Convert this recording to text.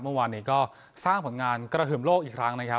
เมื่อวานนี้ก็สร้างผลงานกระหึ่มโลกอีกครั้งนะครับ